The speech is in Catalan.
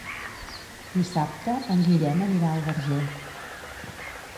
Dissabte en Guillem anirà al Verger.